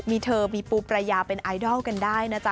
มีเธอมีปูประยาเป็นไอดอลกันได้นะจ๊